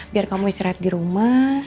biar kamu istirahat di rumah